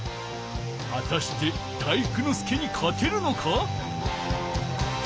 はたして体育ノ介にかてるのか！？